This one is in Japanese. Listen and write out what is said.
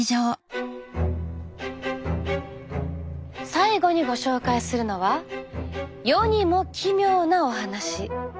最後にご紹介するのは世にも奇妙なお話。